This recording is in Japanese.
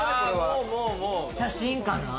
写真かな？